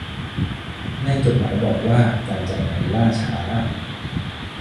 ในจดหมายบอกว่าการจ่ายเงินล่าช้า